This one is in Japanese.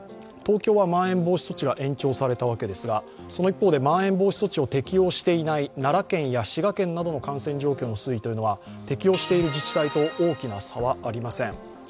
東京はまん延防止措置が延期されたわけですがその一方でまん延防止措置を適用していない奈良県や滋賀県などの感染状況の推移は適用している自治体と大きな差はありません。